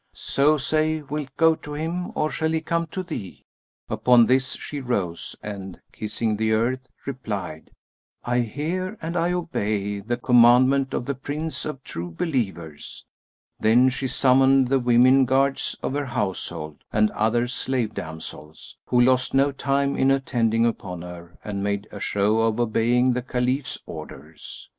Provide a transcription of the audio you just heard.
So say, wilt go to him or shall he come to thee?" Upon this she rose and, kissing the earth, replied, "I hear and I obey the commandment of the Prince of True Believers!" Then she summoned the women guards of her household and other slave damsels, who lost no time in attending upon her and made a show of obeying the Caliph's orders.